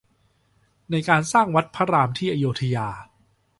ในการสร้างวัดพระรามที่อโยธยา